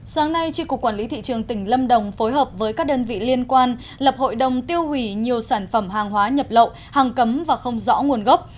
sáng nay tri cục quản lý thị trường tỉnh lâm đồng phối hợp với các đơn vị liên quan lập hội đồng tiêu hủy nhiều sản phẩm hàng hóa nhập lậu hàng cấm và không rõ nguồn gốc